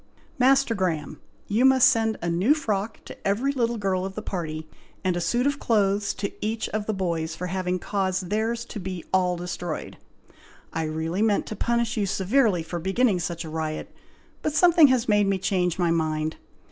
"Master Graham! you must send a new frock to every little girl of the party, and a suit of clothes to each of the boys, for having caused theirs to be all destroyed. I really meant to punish you severely for beginning such a riot, but something has made me change my mind.